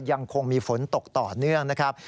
ยังคงมีฝนตกต่อเนื่องนะครับ